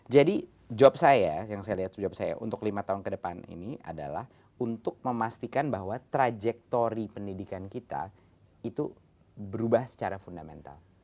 jadi job saya yang saya lihat job saya untuk lima tahun ke depan ini adalah untuk memastikan bahwa trajektori pendidikan kita itu berubah secara fundamental